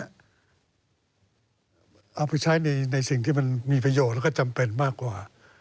เอาไปใช้ในสิ่งที่มันมีประโยชน์แล้วก็จำเป็นมากกว่า